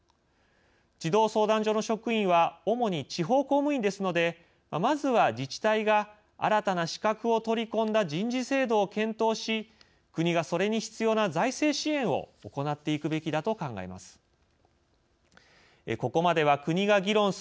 児童相談所の職員は主に地方公務員ですのでまずは自治体が新たな資格を取り込んだ人事制度を検討し国がそれに必要な財政支援を行っていくべきだと考えます。